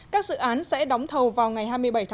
các dự án sẽ đóng thầu vào ngày hai mươi bảy